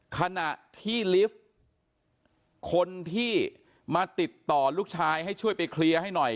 ขณะที่ลิฟต์คนที่มาติดต่อลูกชายให้ช่วยไปเคลียร์ให้หน่อย